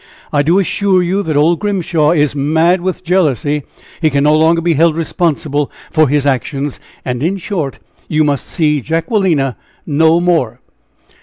I do assure you that old Grimshaw is mad with jealousy. He can no longer be held responsible for his actions. And in short, you must see Jacquelina no more!"